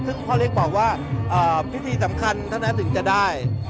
ซึ่งพ่อเล็กบอกว่าพิธีสำคัญเท่านั้นถึงจะได้